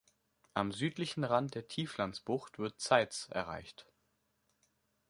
Am südlichen Rand der Tieflandsbucht wird Zeitz erreicht.